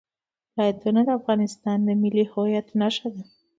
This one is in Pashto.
ولایتونه د افغانستان د ملي هویت نښه ده.